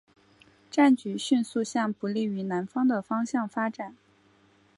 战局迅速向不利于南方的方向发展。